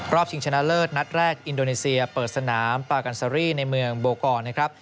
ชิงชนะเลิศนัดแรกอินโดนีเซียเปิดสนามปากันซารี่ในเมืองโบกอร์นะครับ